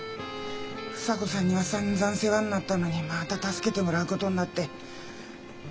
房子さんにはさんざん世話になったのにまた助けてもらうことになって。